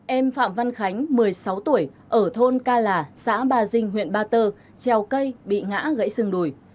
em phạm văn khánh một mươi sáu tuổi ở thôn ca là xã ba dinh huyện ba tơ treo cây bị ngã gãy xương đùi